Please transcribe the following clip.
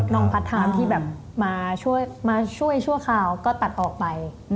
น้องพาร์ทไทม์ที่มาช่วยชั่วคราวก็ตัดออกไป